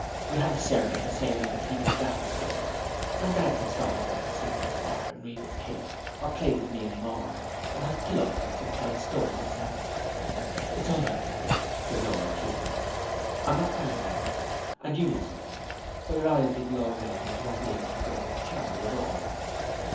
We'll have a servant the same as the people downstairs, and Dad can stop at home and sit by the fire and read the paper or play with me and Maud and have pillow fights and tell stories and ' 'It's all right, dearie,' said Nora, kissing him. 'I'm not crying now, and you mustn't either, or your eyes will be all red and you won't be able to go with Charley at all.'